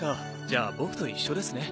じゃあボクと一緒ですね。